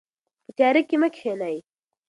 په تیاره کې مه کښینئ.